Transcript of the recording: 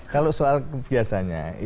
kalau soal biasanya